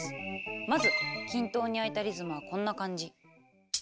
まず均等に空いたリズムはこんな感じ。